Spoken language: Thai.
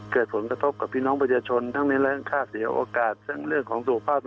เกิดผลกระทบกับพี่น้องประชาชนทั้งในแรงค่าเสียโอกาสทั้งเรื่องของสุขภาพ